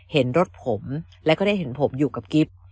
เห็นรถผมแล้วก็ได้เห็นผมอยู่กับกิฟต์